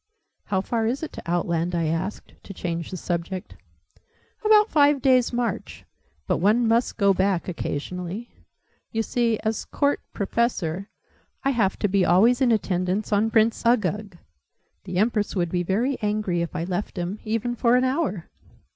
"How far is it to Outland?" I asked, to change the subject. "About five days' march. But one must go back occasionally. You see, as Court Professor, I have to be always in attendance on Prince Uggug. The Empress would be very angry if I left him, even for an hour."